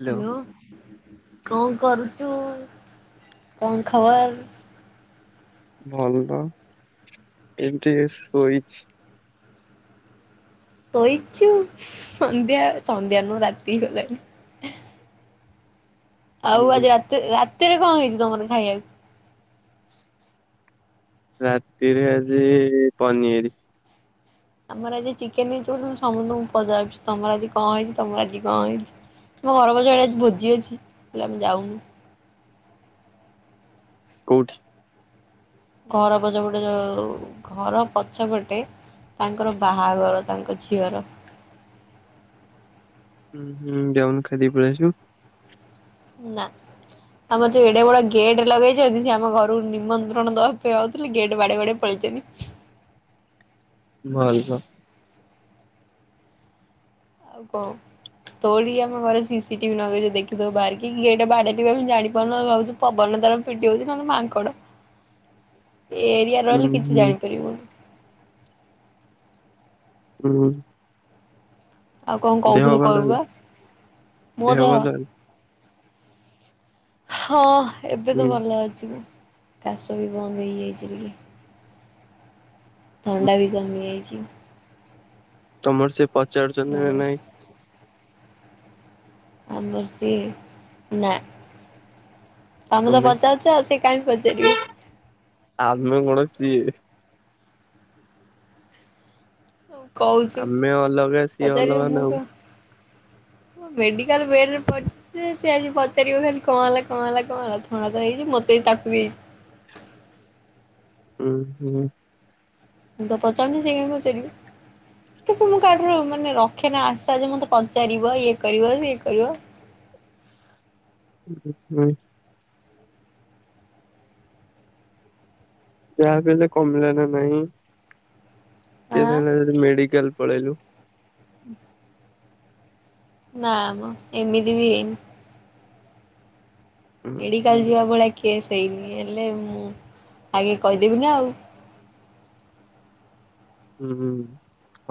Hello. Hello କଣ କରୁଛୁ, କଣ ଖବର। ଭଲ ଏମିତି ଶୋଇଛ। ସୋଇଛୁ ସନ୍ଧ୍ୟା ସନ୍ଧ୍ୟା ନୁହଁ ରାତି ହେଲାଣି। ଆଉ ହୁଁ ଆଜି ରାତିରେ ରାତିରେ କଣ ହେଇଛି ତମର ଖାଇବାକୁ। ରାତିରେ ଆଜି ପନିଆରି। ଆମର ଆଜି ଚିକେନ ହେଇଛି ବୋଲି, ମୁଁ ସମସ୍ତଙ୍କୁ ପଚାରୁଛି ତମର ଆଜି କଣ ହେଇଛି ତମର ଆଜି କଣ ହେଇଛି। ଆମ ଘର ପଛଆଡ଼େ ଆଜି ଭୋଜି ଅଛି। ହେଲେ ଆମେ ଯାଉନୁ। କଉଠି। ଘର ପଛପଟେ ଜାଗାରେ ଘର ପଛପଟେ। ତାଙ୍କର ବାହାଘର ତାଙ୍କ ଝିଅର। ହୁଁ ହୁଁ ଯାଉନୁ ଖାଇ ଦେଇ ପଳେଇଆସିବୁ। ନା। ଆମର ଯୋଉ ଏଡେ ବଡ ଗେଟ ଲଗେଇଛନ୍ତି ସେ ଆମ ଘରୁ ନିମନ୍ତ୍ରଣ ଦବା ପାଇଁ ଆଉଥିଲେ ଗେଟ୍ ବାଡେଇ ବାଡେଇ ପଳେଇଛନ୍ତି। ଭଲ। ଆଉ କଣ? ତୋଳିକି ଆମ ଘରେ ସିସିଟିଭି ଲଗେଇଛୁ ଦେଖି ଦଵୁ ବାରିକି ଗେଟ ବାଡେଇଦେଲେ ଆମେ ଜାଣି ପାରୁନାଉ ଆମେ ଭାବୁଛୁ ପବନ ଦ୍ୱାରା ପିଟିହେଉଛି କି ନହେଲେ ମାଙ୍କଡ ଏ ଏରିଆ ହୁଁ ରହିଲେ କିଛି ହୁଁ ଜାଣିପାରିବୁନି। ହୁଁ। ଆଉ କଣ ଦେହ କହୁଥିଲୁ ଭଲ କହିବୁ ହେଲା ପା ମୋ ଦେହ ଭଲ ହେଲା ହଁ, ଏବେ ତ ହୁଁ। ଭଲ ଅଛି ମୁଁ। କାଶ ବି ବନ୍ଦ ହେଇଯାଇଛିି ଟିକେ। ଥଣ୍ଡା ବି କମି ଯାଇଛି। ତମର ସେ ବ ପଚାରୁଛନ୍ତି ନା ନାଇଁ ଆମର ସିଏ ନା ତମେ ତ ତମ ପାଇଁ। ପଚାରୁଛ ଆଉ ସେ କାଇଁ ପଚାରିବେ? ଆମେ କଣ ସିଏ? ହଉ କହୁଛୁ ଆମେ ଅଲଗା ସିଏ ପଚାରିବେ ଅଲଗା ମୁଁ ନା ଆଉ କଣ? ମେଡିକାଲ ବେଡ଼ରେ ପଡିଛି ସେ ସେ ଆଜି ପଚାରିବ ଖାଲି କଣ ହେଲା କଣ ହେଲା କଣ ହେଲା ଥଣ୍ଡା ତ ହେଇଛି ମୋତେ ତ ତାକୁ ବି ହେଇଛି। ହୁଁ ହୁଁ। ମୁଁ ତ ପଚାରୁନି ସେ କାଇଁ ପଚାରିବ? ତ ମୁଁ କାହାଠାରୁ ମାନେ ରଖେନା ଆଶା ଯେ ମୋତେ ପଚାରିବ ଇଏ କରିବ ସିଏ କରିବ? ହୁଁ। ଯାହା ବି ହେଲେ କମିଲା ନା ନାହିଁ କିଏ ଆଁ ଯାଇଁଲା ଜଦି ମେଡିକାଲ ପଳେଇଲୁ? ? ନା ମ ଏମିତି ବି ହେଇନି। ହୁଁ ମେଡିକାଲ ଯିବା ଭଳିଆ କେସ ହେଇନି ହେଲେ ମୁଁ ଆଇ କି କହିଦେବି ନା ଆଉ। ହୁଁ ହୁଁ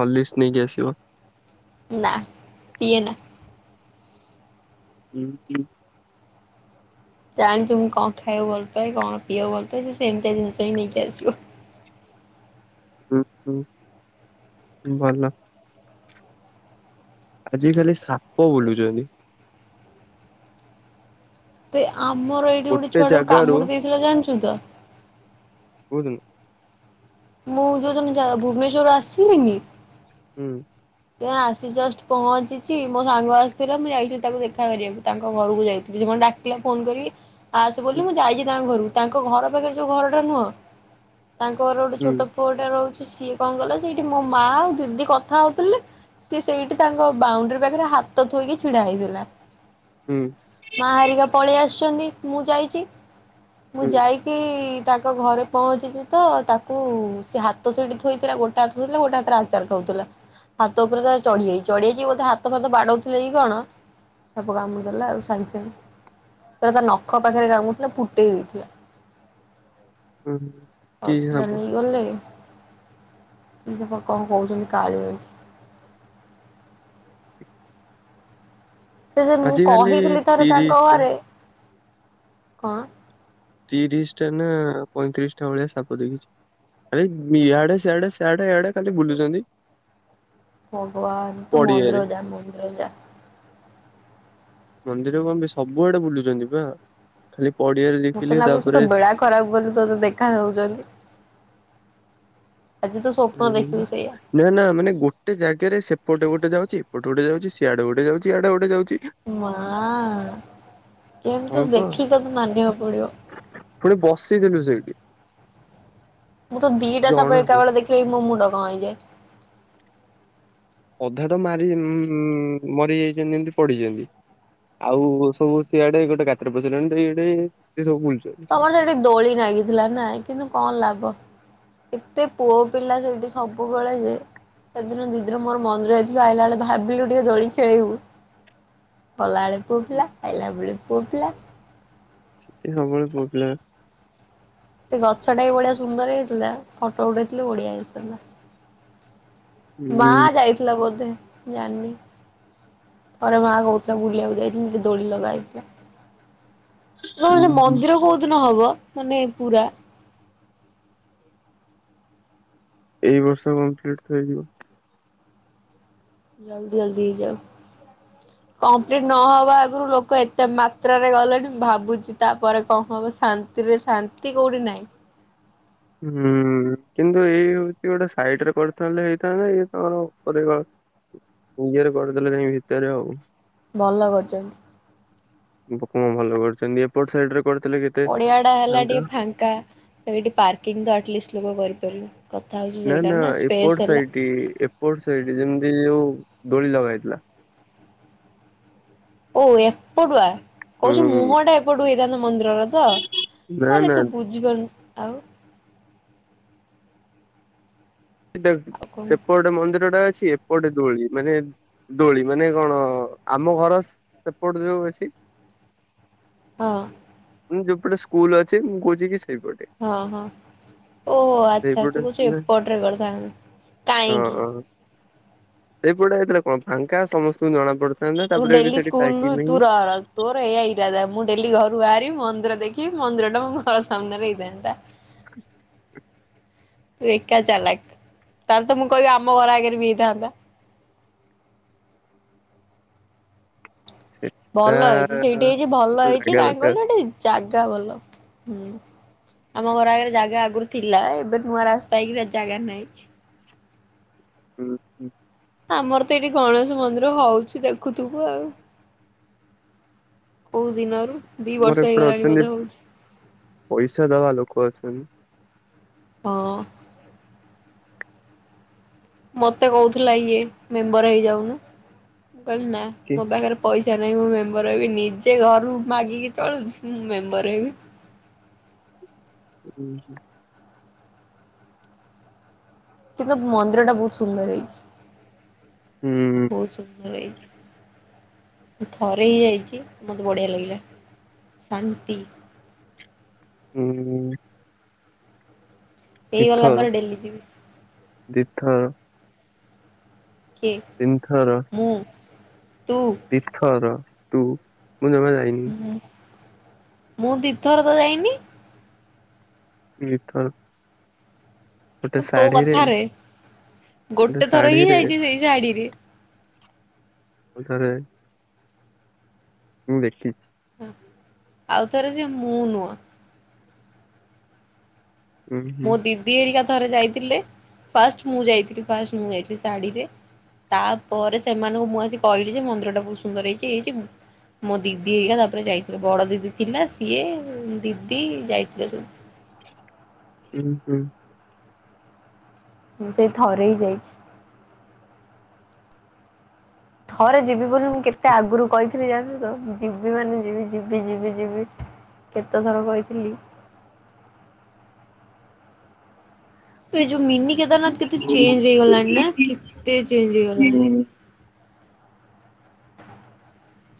ହଲିକ୍ସ ନେଇକି ଆସିବ। ନା ପିଏନା। ହୁଁ ହୁଁ। ଜାଣିଛି ମୁଁ କଣ ଖାଇବାକୁ ଭଲ ପାଏ କଣ ପିଇବାକୁ ଭଲ ପାଏ ସେ ସେମିତିଆ ଜିନିଷ ହିଁ ନେଇକି ଆସିବ। ହୁଁ ହୁଁ ମୁଁ ଭଲ। ଆଜି ଖାଲି ସାପ ବୁଲୁଛନ୍ତି। ଆବେ ଆମର ଏଇଠି ଗୋଟେ ଛୁଆଟାକୁ କାମୁଡି ଦେଇଥିଲା ଜାଣିଛୁ ତ। କୋଉଦିନ? ମୁଁ ଯୋଉ ଦିନ ଜା ଭୁବନେଶ୍ଵରରୁୁ ଆସିଲିନି। ହୁଁ। ଯୋଉଦିନ ଆସି ଜଷ୍ଟ ପହଞ୍ଚିଛି ମୋ ସାଙ୍ଗ ଆସିଥିଲା ମୁଁ ଯାଇଥିଲି ତାକୁ ଦେଖା କରିବାକୁ। ତାଙ୍କ ଘରକୁ ଯାଇଥିଲି ସେ କଣ ଡାକିଲା ଫୋନ୍ କରି। ଆସେ ହୁଁ ବୋଲି ମୁଁ ଯାଇଛି ତାଙ୍କ ଘରକୁ ତାଙ୍କ ଘର ପାଖରେ ସୋ ଘରଟା ନୁହଁ ତାଙ୍କ ଘର ଗୋଟେ ହୁଁ ଛୋଟ ପୁଅଟା ରହୁଛି ସିଏ କଣ କଲା ସେଇଠି ମୋ ମା ଆଉ ଦିଦି କଥା ହଉଥିଲେ। ସେ ସେଇଠି ତାଙ୍କ ବାଉଣ୍ଡରି ପାଖରେ ହାତ ଥୋଇକି ଛିଡା ହେଇଥିଲା। ହୁଁ ମାଆ ହେରିକା ପଳେଇ ଆସିଛନ୍ତି ମୁଁ ଯାଇଛି ମୁଁ ହୁଁ ଯାଇକି କି ତାଙ୍କ ଘରେ ପହଞ୍ଚିଚିଚିତ ତାକୁ କୁ ସେ ହାତ ସେଇଠି ଥୋଇଥିଲା ଗୋଟେ ହାତଥିଲା ଗୋଟେ ହାତରେ ଆଚାର ଖାଉଥିଲା। ହାତ ଉପରେ ତ ଚଢିଯାଇଛି ଚଢି ଯାଇଛି ବୋଧେ ହାତ ଫାତ ବାଡଉଥିଲେ କି କଣ? ସାପ କାମୁଡ଼ି ଦେଲା ଆଉ ସାଙ୍ଗେ ସାଙ୍ଗେ। ପୁରା ତା ନଖ ପାଖରେ କାମୁଡିଥିଲା ଫୁଟେଇ ଦେଇଥିଲା। ହୁଁ କିିକ ହବ ହେ ଗଲେ କି ସେପ କଣ କହୁଛନ୍ତି କାଳିଛି। ସେ ଯେ ମୁଁ ଆଜିକାଲି କହିଥିଲି ଥରେ ତାଙ୍କ ତିରିଶ ଟା ଘରେ କଣ? ତିରିଶ ଟା ନା ପଇଁତିରିଶ ଟା ଭଳିଆ ସାପ ଦେଖିଛି। ଆରେ ଇଆଡେ ସଆଡେଆଡେ ୟଡେ କାଲି ବୁଲୁଛନ୍ତି। ଭଗବ ତୁ ମନ ପଡିଆରେ ରଜା ମନ୍ରୋଜା ମନ୍ଦିର କଣ ସବୁଆଡେ ବୁଲୁଛନ୍ତି ବା ଖାଲି ପଡିଆରେ ମତେ ଦେଖିଲି ଲାଗୁଛି ତୋ ତାପରେ ବେଳା ଖରାପ ବୋଲି ତତେ ଦେଖାାଯାଉଛନ୍ତି। ତ ସ୍ୱପ୍ନ ହୁଁ ଦେଖିବି ସେଇଆ ନା ନା ମାନେ ଗୋଟେ ଜାଗାରେ ସେପଟ ଗୋଟେ ଯାଉଛି ଏପଟେ ଗୋଟେ ଯାଉଛି ସିଆଡେ ଗୋଟେ ଯାଉଛିଇଆଡେ ଗୋଟେ ଯାଉଛି। ମା କେମିତି ହଁ ତୁ ପା ଦେଖିଲି ତତେ ମାନିବାକୁ ପଡିବ। ପୁଣି ବସିଥିଲୁ ସେଇଠି ମୁଁ ତ ଦିଟା ସାପ ଜଣା ଏକାବେଳେ ଦେଖିଲେ ମୋ ମୁଣ୍ଡ କଣ ହେଇଯାଏ। ଅଧାଟ ମାରି ମରିଯାଇଛନ୍ତି ଏମତି ପଡିିଛନ୍ତି। ଆଉ ସବୁ ସିଆଡେ ଗୋଟେ କାତ ପ୍ରଚଣିଇଡେ ସିଏ ସବୁ ବୁଲଚ ତମର ସେଠି ଦୋଳି ଲାଗିଥିଲା ନା କିନ୍ତୁ କଣ ଲାଭ ଏତେ ପୁଅ ପିଲା ସେଇଠି ସବୁବେଳେ ଯେ ସେଦିନ ଦିଦିନ ମୋର ମନରେ ଯାଇଥିଲୁ ଆଇଲା ବେଳେ ଭାବିଲୁ ଟିକେ ଦୋଳି ଖେଳେଇିବୁ। କଲାବେଳେ ପୁଅ ପିଲା ଖାଇଲାବେୁଳି ପୁଅ ପିଲା ସେତେ ସବୁବେଳେ ପିଲା ସେ ଗଛ ଟା ବି ବଢିଆ ସୁନ୍ଦର ହେଇଥିଲା ଫଟୋ ଉଠେଇଥିଲ ବଢିଆ ହେଇଥିଲା ମା ଉଁ ଯାଇଥିଲା ବୋଧେ ଜାଣିନି। ପରେ ମା ଆ ଗଉତଥିଲା ଗୁଡ଼ ଲ ଯାଇଥିଲଥିଲା ଦଡଡ଼ି ଲଗାଥିଲେ ତମର ମନ୍ଦିର କୋଉ ଦିନ ହବ ମାନେ ପୁରା ଏଇ ବର୍ଷ କମ୍ପ୍ଲିଟ ଇଯିବ ଜଲଦି ଜଲଦି ଯାଉ କମ୍ପ୍ଲିଟ ନହବା ଆଗରୁ ଲୋକ ଏତେ ମାତ୍ରାରେ ଗଲେଣି ମୁଁ ଭାବୁଛି ତାପରେ କଣ ହବ ଶାନ୍ତି ସ୍ରେ ଶାନ୍ତି କେଉଁଠି ନାହିଁ ହୁଁ କିନ୍ତୁ ଏଇ ହଉଛି ଗୋଟେ ସାଇଟ ରେ କରିଥାଲେ ହେଇଥାନ୍ତା ଏଇ କଣ ଉପରେ ନିଜରେ କରିଦେଲେ ଯାଇକ ଭିତରେ ଆଉ ଭଲ କରିଛନ୍ତି ପୋକମା ଭଲ କରିୁଛନ୍ତି ଏପଟ ସାଇଡ ରେ କରିଥିଲେ କି ପଡିଆ ଟା ହେଲା ଟିକେ ଫାଙ୍କା ସେ ପାର୍କିଂଷ୍ଟ ଲ କରିପାରିଲୁ ନା ନା ଏପଟ ସେଇଠ ଏପଟ ସଇଠ ଯେମିତି ଯୋଉ ଦୋଳି ଲଗା ହେଇଥିଲା ଓ ଏପଟୁଆ ହୁଁ କହୁଛୁ ମୁହଁ ଟା ଏପଟୁ ହେଇଥାନ୍ତା ମନ୍ଦିରର ତ ନା ତାହେଲେ ନା ତୁ ବୁଝିବନୁ ଆଉ ଟ ଆଉ କଣ ସେପଟେ ମନ୍ଦିର ଟା ଅଛି ଏପଟେ ଦୋଳି ମାନେ ଦୋଳି ମାନେ କଣ ଆମ ଘର ସେପଟ ଯିବ ବେଶୀ ହଁ ମୁଁ ଯୋଉପଟେ ସ୍କୁଲ ଅଛି ମୁଁ କହୁଛି କି ସେଇପଟେ ହଁ ହଁ ଓୋ ଆଚ୍ଛା ସେଇପଟେ ତୁ କହୁଛୁ ଏପଟ ରେ କରିଥାୁ କାହିଁକି ଏପଟା ଏତଥିଲା କଣ ଫାଙ୍କା ସମସ୍ତଙ୍କୁ ଜଣା ପଡୁଛି ତୁ ଡେଲି ସ୍କୁଲରୁ ତୁ ରହହାର ତୋର ଏଇଆ ଇରାା ମୁଁ ଡେଲି ଘରୁ ବାହାରି ମନ୍ଦିର ଦେଖି ମନ୍ଦିର ଟା ମୋ ଘର ସାମ୍ନାରେ ହେଇଥାନ୍ତା ହ ଏକା ଚାଲାକ ତାହେଲେ ତ ମୁଁ କହିବି ଆମ ଘର ଆଗରେ ବି ହେଇଥାନ୍ତା ସେ ଭଲ ହେଇଛି ସେଇଠି ହେଇଛି ଭଲ ହେଇଛି ଦରକାର ଗାଁଙ୍ଗଳି ଗଟେ ଜାଗା ଭଲ ହୁଁ ଆମ ଘର ଆଗରେ ଜାଗା ଆଗରୁ ଥିଲା ଏବେ ନୂଆ ରାସ୍ତା ହେଇକି ଜାଗା ନାହିଁଛି ହୁଁ ହୁଁ ଆମର ତ ଏଇଠି ଗଣେଶ ମନ୍ଦିର ହଉଛି ଦେଖୁଥିବୁ ଆଉ। କୋଉ ଦିନରୁ। ଦି ବର୍ଷ ଆମର ଏପଟେ ହେଇଗଲାଣି ଅଛନ୍ତି ବୋଧେ ହଉଛି ପଇସା ଦବା ଲୋକ ଅଛନ୍ତି। ହଁ। ମତେ କହୁଥିଲା ଇଏ ମେମ୍ବର ହେଇଯାଉନୁ ମୁଁ କହିଲି ନା କି ମୋ ପାଖରେ ପଇସା ନାଇଁ ମୁଁ ମେମ୍ବର ହେବି ନିଜେ ଘରୁ ମାଗିକି ଚଳୁଛି ମୁଁ ମେମ୍ବର ହେବି। ହୁଁ ହୁଁ। କିନ୍ତୁ ମନ୍ଦିର ଟା ବହୁତ ସୁନ୍ଦର ହେଇଛି। ହୁଁ ବହୁତ ସୁନ୍ଦର ହେଇ ମୁଁ ଥରେ ହି ଯାଇଛି ମୋତେ ବଢ଼ିଆ ଲାଗିଲା ଶାନ୍ତି। ହୁଁ ହୁଁ। ହେଇଗଲା ଦିଥର ପରେ ଡେଲି ଯିବି। ଦିଥର। କିଏ? ତିନିଥର। ମୁଁ ତୁ? ଦିଥର ତୁ ମୁଁ ଜମା ଯାଇନି। ମୁଁ ଦୀଥର ତ ଯାଇନି। ଦି ଥର। ଗୋଟେ ତୋ ଶାଢୀରେ କଥାରେ ଗୋଟେ ଗୋଟେ ଥର ହିଁ ଶାଢୀରେ। ଯାଇଛି ସେଇ ଶାଢୀରେ। ଆଉ ଥରେ ମୁଁ ଦେଖିଛି। ଆଉଥରେ ସେ ମୁଁ ନୁହଁ। ଉଁ ହୁଁ ମୋ ଦିଦି ହେରିକା ଥରେ ଯାଇଥିଲେ ଫାଷ୍ଟ ମୁଁ ଯାଇଥିଲି ଫାଷ୍ଟ ମୁଁ ଯାଇଥିଲି ଶାଢ଼ୀରେ। ତାପରେ ସେମାନଙ୍କୁ ମୁଁ ଆସି କହିଲି ଯେ ମନ୍ଦିର ଟା ବହୁତ ସୁନ୍ଦର ହେଇଛି ହେଇଛି। ମୋ ଦିଦି ହେଇରିକା ତାପରେ ଯାଇଥିଲେ ବଡ ଦିଦି ଥିଲା ସିଏ ଦିଦି ଯାଇଥିଲେ ସବୁ। ହୁଁ ହୁଁ। ମୁ ସେଇ ଥରେଇ ଯାଇଛି। ଥରେ ଯିବି ବୋଲି ମୁଁ କେତେ ଆଗରୁ କହିଥିଲି ଯାଣିଛୁ ତ ଯିବି ମାନେ ଯିବି ଯିବି ଯିବି ଯିବି କେତେଥର କହିଥିଲି। ଏ ଯୋଉ ମିନି କେଦାରନାଥ କେତେ ଚେଞ୍ଜ ହେଇଗଲାଣି ନା କେତେ ଚେଞ୍ଜ ହେଇଗଲାଣି। ହୁଁ।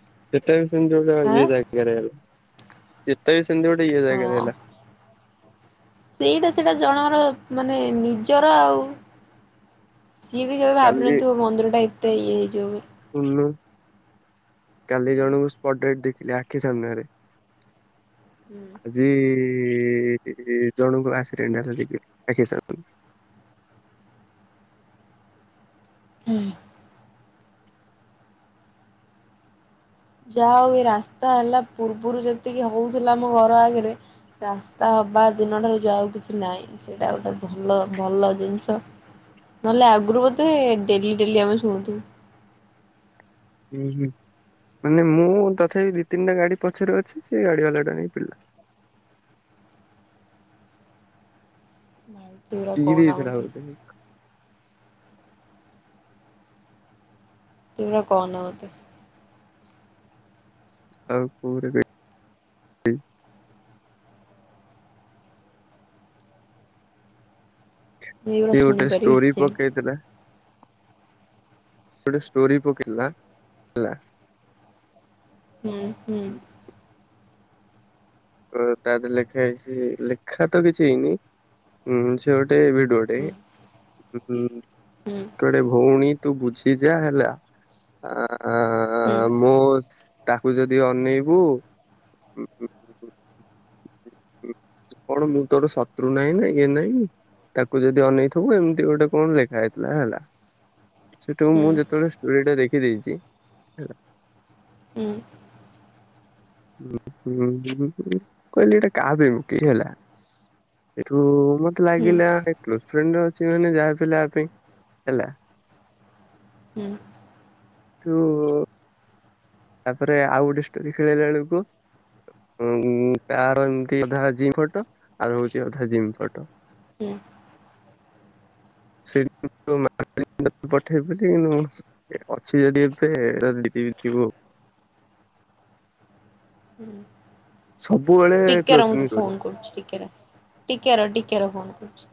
ସେଟାବି ସେମନ୍ତି ଗୋଟେ ଇଏ ଆଁ ଜାଗାରେ ହେଲା ସେଟାବି ସେମନ୍ତି ଗୋଟେ ଇଏ ଜାଗାରେ ହଁ। ହେଲା। ସେଇଟା ସେଇଟା ଜଣଙ୍କର ମାନେ ନିଜର ଆଉ। ସିଏ ବି କେବେ ଭାବିିନଥିବ ମନ୍ଦିର ଟା ଏତେ ଇଏ ହେଇଯିବ ବୋଲି। ଶନୁ [inaudible] କାଲି ଜଣଙ୍କୁ ସ୍ପଟ ଡେଡ୍ ଦେଖିଲି ଆଖି ସାମ୍ନାରେ। ହୁଁ ଆଜି ଜଣୁଙ୍କୁ ଆସିଡେଣ୍ଟ ହେଲା ଦେଖିଲି ଆଖି ସାମ୍ନାରେ। ଉଁ ହୁଁ। ଯାହା ହଉ ଏ ରାସ୍ତା ହେଲା ପୂର୍ବରୁ ଯେତିକି ହଉଥିଲା ଆମ ଘର ଆଗରେ। ରାସ୍ତା ହବା ଦିନଠାରୁ ଯାଉ ହଉ କିଛି ନାହିଁ। ସେଇଟା ଗୋଟେ ଭଲ ଭଲ ଜିନିଷ। ନହେଲେ ଆଗରୁ ବୋଧେ ଡେଲି ଡେଲି ଆମେ ଶୁଣୁ ଥୁଲୁ। ହୁଁ ହୁଁ ମାନେ ମୁଁ ତଥାପି ଦି ତିନିଟା ଗାଡି ପଛରେ ଅଛି ସେ ଗାଡି ବାଲା ଟା ନେଇ ପିଟିଲା। ନାଇକୁ ଇଞ୍ଜିରୀ ହେଇଥିଲା ବୋଧେ। ସେଗୁରା କହନା ମୋତେ। ଆଉ କୋ ମୁଁ ଏଗୁରା ସିଏ ଗୋଟେ ଷ୍ଟୋରି ଶୁଣିପାରିବିନି। ପକେଇଥିଲା। ସେ ଗୋଟେ ଷ୍ଟୋରି ପକେଇଥିଲା ହେଲା। ହୁଁ ହୁଁ। ତା ଦେହରେ ଲେଖା ହେଇଛି ଲେଖା ତ କିଛି ହେଇନି ଉଁ ସେ ଗୋଟେ ହୁଁ ସେ ହୁଁ ଗୋଟେ ଡେ ଭଉଣୀ ତୁ ବୁଝିଯା ହେଲା ଆ ହୁଁ ମୋ ତାକୁ ଯଦି ଅନେଇବୁ ଉଁ, କଣ ମୁଁ ତୋର ଶତ୍ରୁ ନାହିଁ ନା ଇଏ ନାହିଁ ତାକୁ ଯଦି ଅନେଇଥିବୁ, ଏମିତି ଗୋଟେ କଣ ଲେଖା ହେଇଥିଲା ହେଲା ସେଠାକୁ ହୁଁ ମୁଁ ଯେତେବେଳେ ଷ୍ଟୋରି ଟା ଦେଖିଦେଇଛି ହେଲା ହୁଁ ହଁ କହିଲି ଏଇଟା କାହା ପାଇଁ ମୁ କେହି ହେଲା ଏଠୁ ମତେ ହୁଁ ଲାଗିଲା ଏୟୀ ଗଲ ଫ୍ରେଣ୍ଡ ଅଛି ମାନେ ଯାହା ପ ପାଇଁ ହେଲା ହୁଁ ଯୋଉ ତାପରେ ଆଉ ଗୋଟେ ଷ୍ଟୋରି ଖେଳେଇଲା ବେଳକୁ ଉ ତ ଏମତି ଅଧା ଜିମ ଫଟୋ ଆର ହଉଛି ଅଧା ଜିମ୍ ଫଟୋ। ହୁଁ ସେଇଠୁ ତୋ ମା ତ ପଠେଇ ପାରି କିନ୍ତୁ ମୁଁ ଅଛି ଯଦି ଏବେ ଏଇଟା ଦେଇଦେବି ଥିବୁ ଆଉ ସବୁବେଳେ ଟିକେ କ୍ଲୋଜ ରହ ର ମୁଁ ତ ତତେ ଫ୍ରେଣ୍ଡ ଷ୍ଟୋରି। ଫୋନ କରୁଛିି ଟିକେ ରହ। ଟିକେ ରହ ଟିକେ ରହ ଫୋନ କରୁଛି।